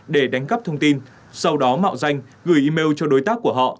để đánh cắp thông tin sau đó mạo danh gửi email cho đối tác của họ